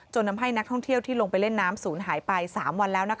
ทำให้นักท่องเที่ยวที่ลงไปเล่นน้ำศูนย์หายไป๓วันแล้ว